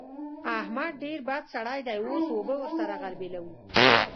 احمد ډېر بد سړی دی؛ اوس اوبه ور سره غلبېلوو.